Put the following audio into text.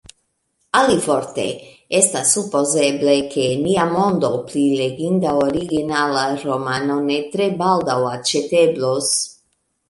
Alivorte, estas supozeble, ke niamonde pli leginda originala romano ne tre baldaŭ aĉeteblos.